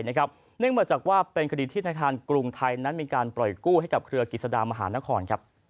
เนื่องมาจากว่าเป็นคดีที่ธนาคารกรุงไทยนั้นมีการปล่อยกู้ให้กับเครือกิจสดามหานคร